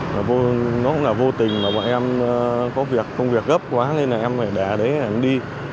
nó cũng là vô tình mà bọn em có việc công việc gấp quá nên là em phải để ở đấy để em đi